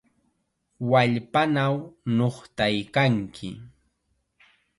¡Wallpanaw nuqtaykanki!